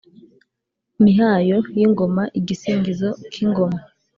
Mihayo y’ingoma: igisingizo k’ingoma.